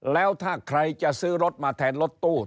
แล้วถ้าใครจะซื้อรถมาแทนรถตู้